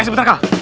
eh sebentar kak